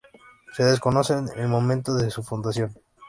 Se desconoce el momento de su fundación.